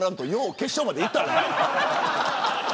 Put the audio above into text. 決勝までいったな。